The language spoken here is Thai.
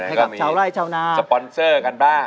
เพื่อจะไปชิงรางวัลเงินล้าน